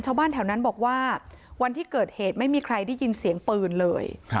ชาวบ้านแถวนั้นบอกว่าวันที่เกิดเหตุไม่มีใครได้ยินเสียงปืนเลย